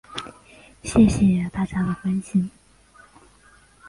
谢谢大家关心